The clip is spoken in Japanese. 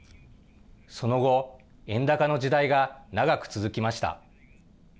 その後、円高の時代が長く続きました。